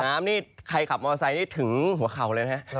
น้ำนี่ใครขับมอเตอร์ไซต์นี่ถึงหัวเข่าเลยนะฮะ